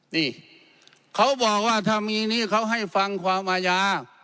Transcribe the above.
นี่เขาบอกว่าถ้ามีนี้เขาให้ฟังความอาญา